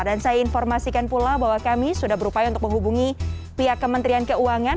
dan saya informasikan pula bahwa kami sudah berupaya untuk menghubungi pihak kementerian keuangan